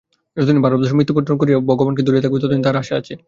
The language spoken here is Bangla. যতদিন ভারতবর্ষ মৃত্যুপণ করিয়াও ভগবানকে ধরিয়া থাকিবে, ততদিন তাহার আশা আছে।